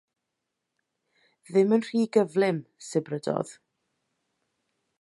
“Ddim yn rhy gyflym,” sibrydodd.